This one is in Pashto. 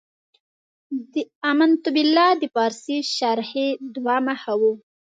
د امنت بالله د پارسي شرحې دوه مخه و.